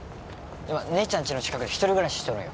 今姉ちゃんちの近くで一人暮らししとるんよ